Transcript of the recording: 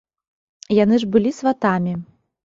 Яны ж былі сватамі.